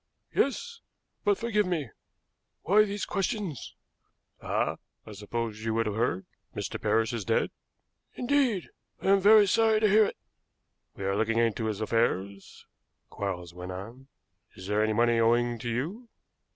"Yes; but, forgive me, why these questions?" "Ah! I supposed you would have heard. Mr. Parrish is dead." "Indeed! I am very sorry to hear it." "We are looking into his affairs," Quarles went on. "Is there any money owing to you?"